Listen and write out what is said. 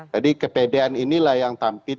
jadi kepedean inilah yang tampil